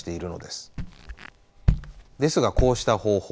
ですがこうした方法